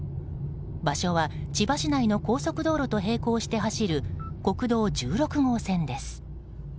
場所は、千葉市内の高速道路と並行して走る国道１６号線です。